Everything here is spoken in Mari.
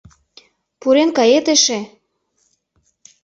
Пурен кает эше.